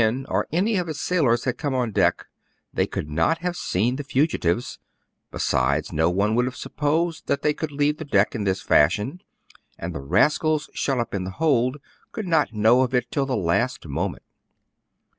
But, if Capt. Yin or any of his sailors had come on deck, they could not have seen the fugitives ; besides, no one would have supposed that they could leave the deck in this fashion, and the rascals shut up in the hold could not know of it till the last moment.